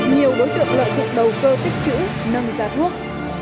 nhiều đối tượng loại thuộc đầu cơ tích chữ nâng ra thuốc